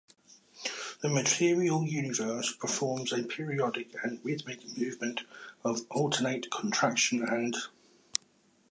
The material universe performs a periodic and rhythmic movement of alternate contraction and expansion.